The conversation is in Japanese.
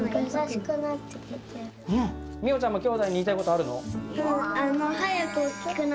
みよちゃんもきょうだいに言いたいことあるの？